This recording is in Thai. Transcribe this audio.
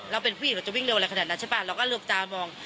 เป็นผู้หญิงเราจะวิ่งเร็วอะไรขนาดนั้นใช่ป่ะเราก็เลือกตามอง